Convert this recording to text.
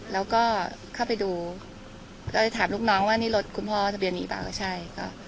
แล้วก็เข้าไปดูก็เลยถามลูกน้องว่านี่รถคุณพ่อทะเบียนนี้เปล่าใช่ค่ะ